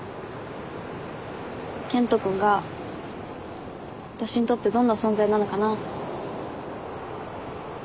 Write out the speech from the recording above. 健人君が私にとってどんな存在なのかなって。